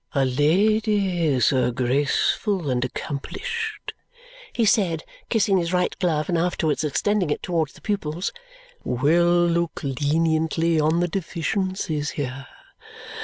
"A lady so graceful and accomplished," he said, kissing his right glove and afterwards extending it towards the pupils, "will look leniently on the deficiencies here.